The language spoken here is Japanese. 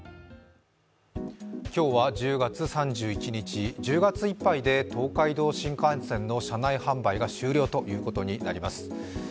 今日は１０月３１日１０月いっぱいで東海道新幹線の車内販売が終了ということになります。